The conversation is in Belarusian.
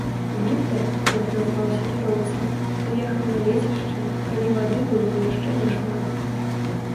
Віктар, як назваўся кіроўца, прыехаў на лецішча, калі вады было яшчэ няшмат.